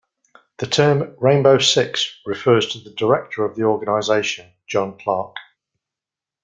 The term "Rainbow Six" refers to the director of the organization, John Clark.